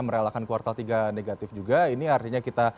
merelakan kuartal tiga negatif juga ini artinya kita